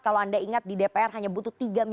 kalau anda ingat di dpr hanya butuh tiga minggu